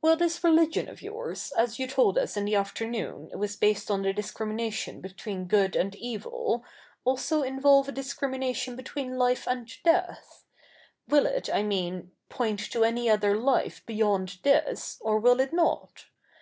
Will this religion of yours, as you told us in the afternoon it was based on the discrimination between good and evil, also involve a discrimination between life and death ? Will it, I mean, point to any other life beyond this, or will it not